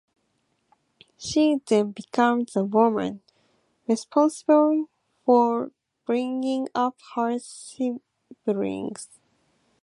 She then became the woman responsible for bringing up her siblings.